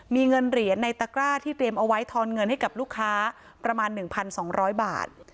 มีเงินเหรียญในตะกร้าที่เตรียมเอาไว้ทอนเงินให้กับลูกค้าประมาณ๑๒๐๐บาท